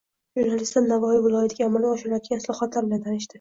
Jurnalistlar Navoiy viloyatida amalga oshirilayotgan islohotlar bilan tanishdi